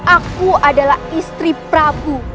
aku adalah istri prabu